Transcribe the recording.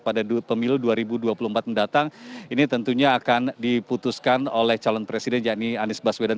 pemilu dua ribu dua puluh empat mendatang ini tentunya akan diputuskan oleh calon presiden yang ini anis baswedan